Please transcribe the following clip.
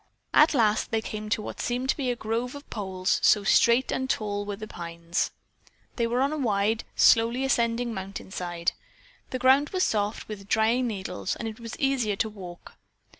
At last they came to what appeared to be a grove of poles so straight and tall were the pines. They were on a wide, slowly ascending mountainside. The ground was soft with the drying needles and it was easier to walk.